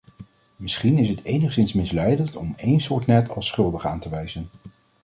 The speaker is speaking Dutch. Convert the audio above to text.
Misschien is het enigszins misleidend om één soort net als schuldige aan te wijzen.